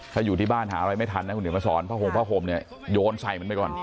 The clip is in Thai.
ถ้าอยู่ที่บ้านหาอะไรไม่ทันคุณเดี๋ยวมาสอนพ่อโฮมโยนใส่มันไปก่อน